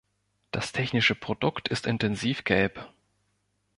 Das technische Produkt ist intensiv gelb.